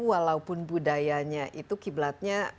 walaupun budayanya itu kiblatnya